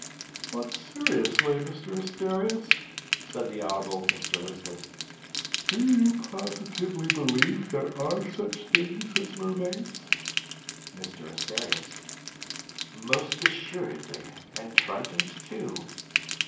'But, seriously, Mr Asterias,' said the Honourable Mr Listless, 'do you positively believe there are such things as mermaids?' MR ASTERIAS Most assuredly; and tritons too.